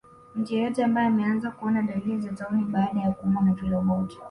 Mtu yeyote ambaye ameanza kuona dalili za tauni baada ya kuumwa na viroboto